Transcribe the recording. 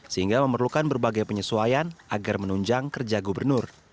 sehingga memerlukan berbagai penyesuaian agar menunjang kerja gubernur